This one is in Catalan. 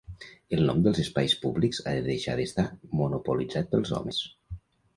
El nom dels espais públics ha de deixar d'estar monopolitzat pels homes.